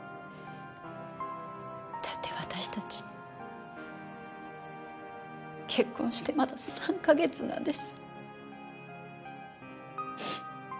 だって私たち結婚してまだ３カ月なんです。